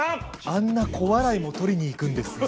「あんな小笑いも取りにいくんですね」。